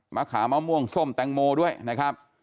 ขามะม่วงส้มแตงโมด้วยนะครับ